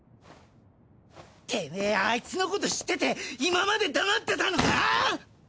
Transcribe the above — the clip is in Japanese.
テメエアイツのこと知ってて今まで黙ってたのか！？